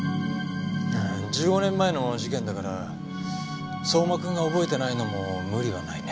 ああ１５年前の事件だから相馬君が覚えてないのも無理はないね。